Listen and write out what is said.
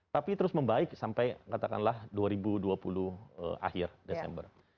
tapi terus membaik sampai katakanlah dua ribu dua puluh akhir desember